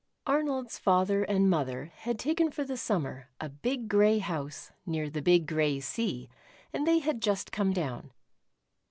RNOLD'S father and mother had taken for the summer a big, gray house, near the big gray sea, and they had just come down.